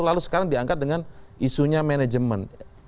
lalu sekarang diangkat dengan isunya manajemen